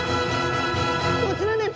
こちらです。